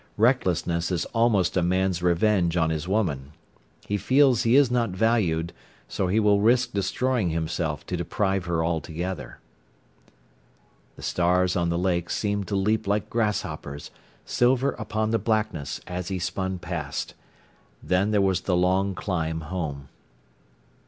Recklessness is almost a man's revenge on his woman. He feels he is not valued, so he will risk destroying himself to deprive her altogether. The stars on the lake seemed to leap like grasshoppers, silver upon the blackness, as he spun past. Then there was the long climb home.